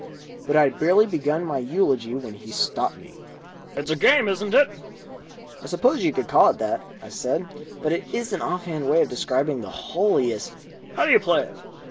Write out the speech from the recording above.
But I had barely begun my eulogy when he stopped me. "It's a game, is it?" "I suppose you could call it that," I said, "but it is an offhand way of describing the holiest " "How do you play it?"